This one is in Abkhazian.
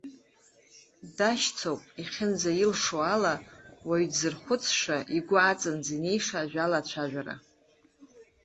Дашьҭоуп, иахьынӡаилшо ала, уаҩ дзырхәыцша, игәы аҵанӡа инеиша ажәала ацәажәара.